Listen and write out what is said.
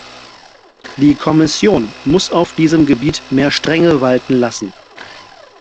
Die Kommission muss auf diesem Gebiet mehr Strenge walten lassen.